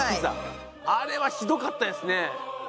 あれはひどかったですね。